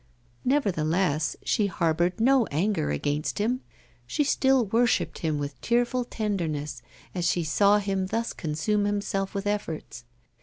Nevertheless, she harboured no anger against him; she still worshipped him with tearful tenderness, as she saw him thus consume himself with efforts.